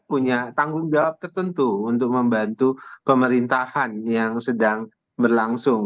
punya tanggung jawab tertentu untuk membantu pemerintahan yang sedang berlangsung